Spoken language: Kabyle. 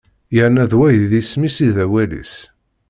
Yerna d wa i d isem-is i d awal-is.